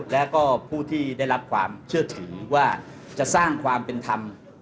แล้วก็ผู้ที่ได้รับความเชื่อถือว่าจะสร้างความเป็นธรรม